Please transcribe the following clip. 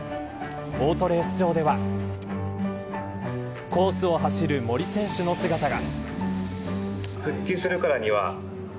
オートレース場ではコースを走る森選手の姿が。